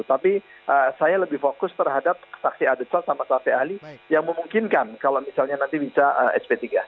tapi saya lebih fokus terhadap saksi adit call sama saksi ahli yang memungkinkan kalau misalnya nanti bisa sp tiga